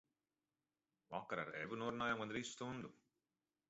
Vakar ar Evu norunājām gandrīz stundu.